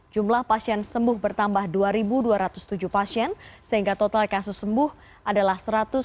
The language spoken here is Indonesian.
jumlah pasien sembuh bertambah dua dua ratus tujuh pasien sehingga total kasus sembuh adalah satu ratus lima satu ratus sembilan puluh delapan